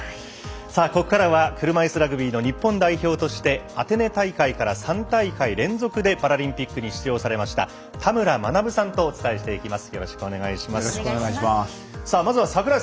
さあ、ここからは車いすラグビーの日本代表としてアテネ大会から３大会連続でパラリンピックに出場されました田村学さんとお伝えしていきます。